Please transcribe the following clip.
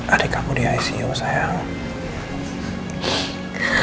adik aku di icu saya